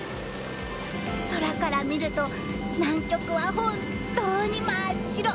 空から見ると南極は本当に真っ白。